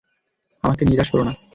আমাকে নিরাশ কোরো না।